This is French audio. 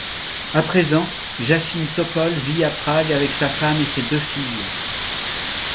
À présent, Jáchym Topol vit à Prague avec sa femme et ses deux filles.